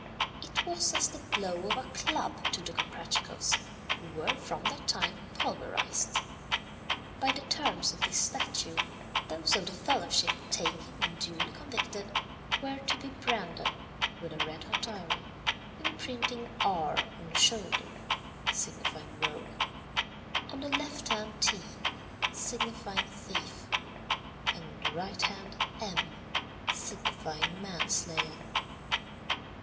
It was as the blow of a club to the Comprachicos, who were from that time pulverized. By the terms of this statute those of the fellowship taken and duly convicted were to be branded with a red hot iron, imprinting R. on the shoulder, signifying rogue; on the left hand T, signifying thief; and on the right hand M, signifying man slayer.